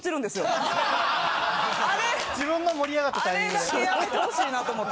・自分が盛り上がったタイミングで・あれだけやめてほしいなと思って。